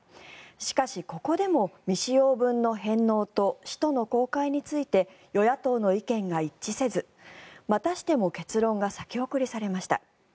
しかしここでも未使用分の返納と使途の公開について与野党の意見が一致せずまたしても結論が先送りされました。